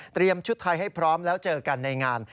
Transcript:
ชุดไทยให้พร้อมแล้วเจอกันในงาน